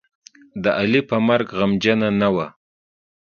د علي په مرګ غمجنـه نه وه.